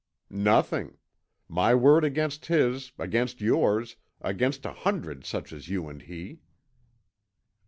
"Nothing. My word against his, against yours, against a hundred such as you and he."